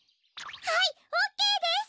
はいオーケーです！